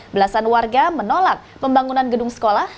belasan warga menolak pembangunan gedung sekolah